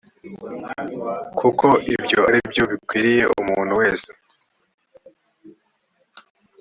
kuko ibyo ari byo bikwiriye umuntu wese